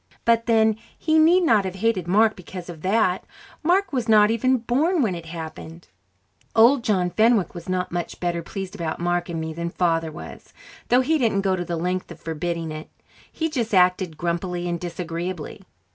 But then, he need not have hated Mark because of that; Mark was not even born when it happened. Old John Fenwick was not much better pleased about Mark and me than Father was, though he didn't go to the length of forbidding it; he just acted grumpily and disagreeably.